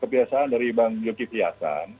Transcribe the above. kebiasaan dari bang zulkifli hasan